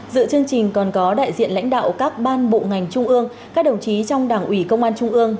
dự chương trình còn có đại diện lãnh đạo các ban bộ ngành trung ương các đồng chí trong đảng ủy công an trung ương